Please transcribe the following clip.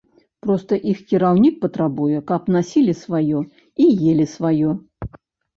Проста іх кіраўнік патрабуе, каб насілі сваё і елі сваё.